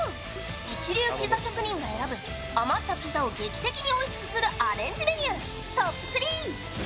一流ピザ職人が選ぶ余ったピザを劇的においしくするアレンジメニュー。